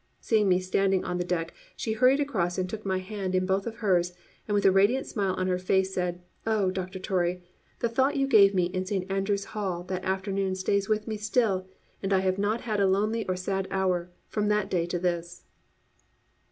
Seeing me standing on the deck, she hurried across and took my hand in both of hers and with a radiant smile on her face she said, "Oh, Doctor Torrey, the thought you gave me in Saint Andrews Hall that afternoon stays with me still and I have not had a lonely or sad hour from that day to this."